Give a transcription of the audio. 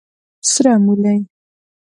🫜 سره مولي